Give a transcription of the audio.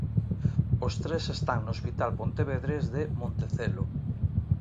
Os tres están no hospital pontevedrés de Montecelo.